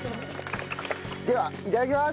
ではいただきます。